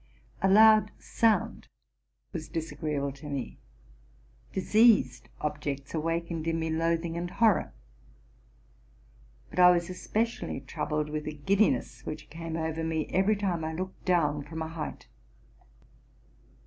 <A loud sound was disagreeable to me, diseased objects awakened in me loathing and horror. But I was especially troubled with a giddiness which came over me every time I looked down from a height.